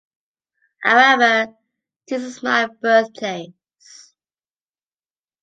However this is my birthplace.